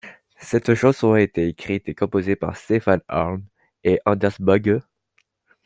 Cette chanson a été écrite et composée par Stefan Örn et Anders Bagge.